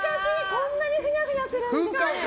こんなにふにゃふにゃするんですね。